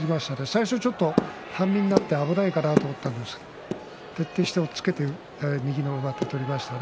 最初ちょっと半身になって危ないかなと思ったんですけど徹底して押っつけて右の上手を取りましたね。